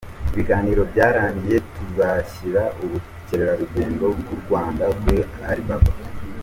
Ibiganiro byararangiye, tuzashyira ubukerarugendo bw’u Rwanda kuri Alibaba”.